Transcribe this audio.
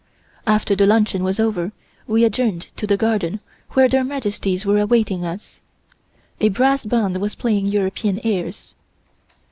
After the luncheon was over we adjourned to the garden where Their Majesties were awaiting us. A brass band was playing European airs.